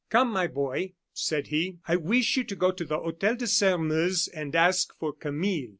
"Come, my boy," said he; "I wish you to go to the Hotel de Sairmeuse and ask for Camille.